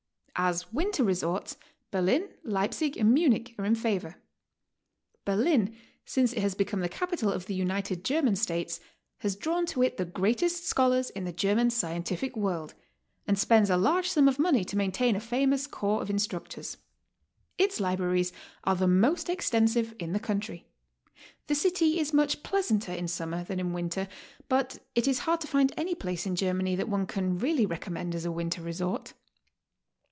As winter resorts, Berlin, Leipsic, and Munich are in favor. Berlin, since it has become the capital of the United German States, has drawn to it the greatest scholars in the German scientific world, and spends a large sum of money to maintain a famous corps of instructors. Its libraries are the most extensive in the country. The city is much pleasanter in summer than in winter, but it is hard to find any place in Germany that one can really recommend as a winter resort.